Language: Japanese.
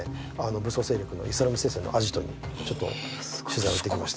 武装勢力のイスラム聖戦のアジトにちょっと取材行ってきました